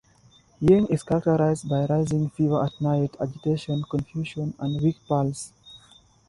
"Ying" is characterized by rising fever at night, agitation, confusion, and weak pulse.